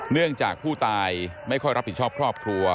เนื่องจากผู้ตายไม่ค่อยรับผิดชอบครอบครัว